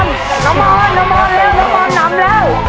น้องมอนน้ำมอนเร็วน้องมอนนำแล้ว